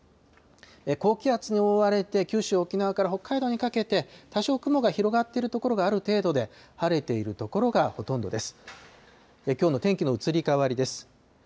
高気圧に覆われて、九州、沖縄から北海道にかけて多少、雲が広がっている所がある程度で、晴れている所がほとんどです。